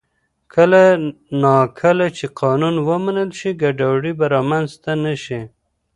کله نا کله چې قانون ومنل شي، ګډوډي به رامنځته نه شي.